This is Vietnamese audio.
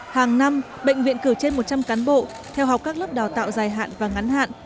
hàng năm bệnh viện cử trên một trăm linh cán bộ theo học các lớp đào tạo dài hạn và ngắn hạn